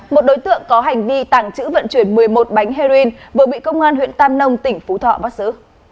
một đối tượng có hành vi tàng trữ vận chuyển một mươi một bánh heroin vừa bị công an huyện tam nông tỉnh phú thọ bắt giữ